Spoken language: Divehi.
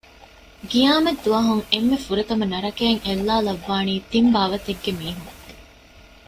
ޤިޔާމަތްދުވަހުން އެންމެ ފުރަތަމަ ނަރަކައަށް އެއްލައިލައްވާނީ ތިން ބާވަތެއްގެ މީހުން